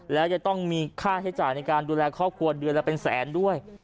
แล้วจะต้องมีค่าใช้จ่ายในการดูแลครอบครัวเดือนละเป็นแสนด้วย